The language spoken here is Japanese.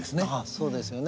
そうですよね。